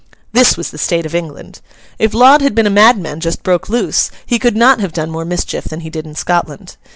This was the state of England. If Laud had been a madman just broke loose, he could not have done more mischief than he did in Scotland.